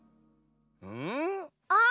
ん？あっ。